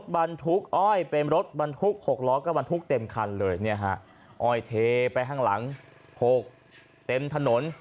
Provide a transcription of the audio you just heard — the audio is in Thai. บันทุกขกร้องก็บันทุกเต็มคันเลยเนี่ยฮะอ้อยเทไปห้างหลังโคกเต็มถนน